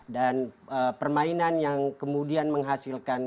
dan permainan yang kemudian menghasilkan